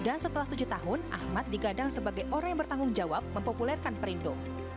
dan setelah tujuh tahun ahmad digadang sebagai orang yang bertanggung jawab mempopulerkan perindo